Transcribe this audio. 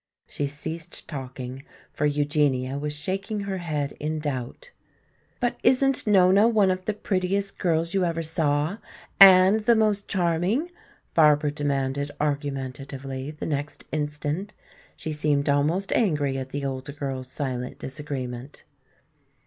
She ceased talking, for Eugenia was shaking her head in doubt. "But isn't Nona one of the prettiest girls you ever saw and the most charming?" Barbara demanded argumentatively the next instant. She seemed almost angry at the older girl's silent disagreement.